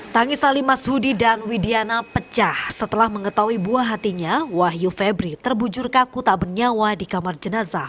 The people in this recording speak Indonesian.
tangis salimas hudi dan widiana pecah setelah mengetahui buah hatinya wahyu febri terbujur kaku tak bernyawa di kamar jenazah